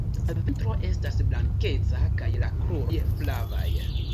La ventro estas blankeca kaj la kruroj flavaj.